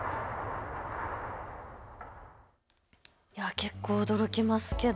結構、驚きますけど。